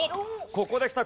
ここできた。